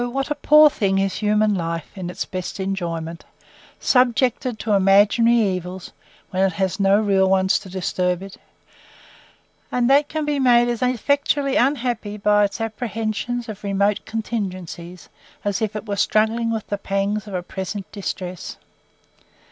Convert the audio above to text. what a poor thing is human life in its best enjoyments! subjected to imaginary evils, when it has no real ones to disturb it; and that can be made as effectually unhappy by its apprehensions of remote contingencies, as if it was struggling with the pangs of a present distress!